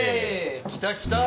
来た来た！